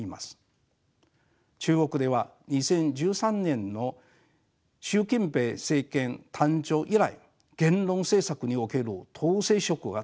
中国では２０１３年の習近平政権誕生以来言論政策における統制色が強まってきました。